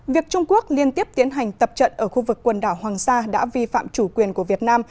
việc trung quốc liên tiếp tiến hành tập trận ở khu vực quần đảo hoàng sa đã vi phạm chủ quyền của việt nam